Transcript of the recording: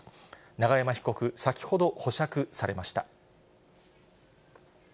永山被告、先ほど保釈されました。